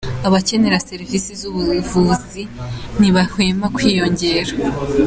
Abakenera serivisi z’ubuvuzi ntibahwema kwiyongera